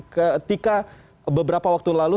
ketika beberapa waktu lalu